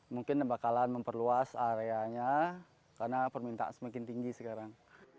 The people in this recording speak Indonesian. mungkin bakalan memperluas areanya karena permintaan semakin tinggi sekarang